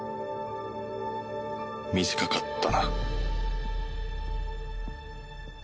短かったな